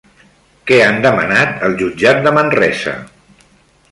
Què han demanat al jutjat de Manresa?